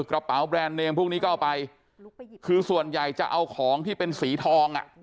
กระเป๋าแบรนด์เนมพวกนี้ก็เอาไปคือส่วนใหญ่จะเอาของที่เป็นสีทองอ่ะ